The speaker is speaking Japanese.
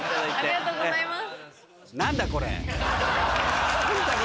ありがとうございます。